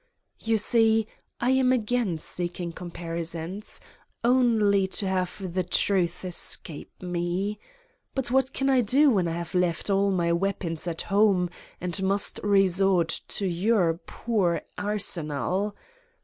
You see, I am again seeking comparisons, only to have the Truth escape me ! But what can I do when I have left all my weapons at home and must resort to your poor arsenal?